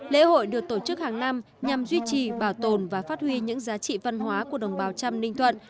lễ hội được tổ chức hàng năm nhằm duy trì bảo tồn và phát huy những giá trị văn hóa của đồng bào trăm ninh thuận